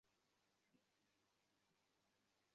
দেখ আমি কী করি!